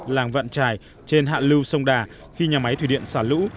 làng vận trài trên hạ lưu sông đà khi nhà máy thủy điện xả lũ